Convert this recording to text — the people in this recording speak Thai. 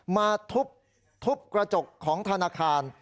มาทุบกระจกของธนาคาร